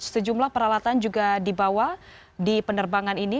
sejumlah peralatan juga dibawa di penerbangan ini